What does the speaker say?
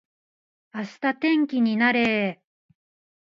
明日天気になれー